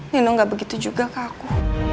nino nggak begitu juga ke aku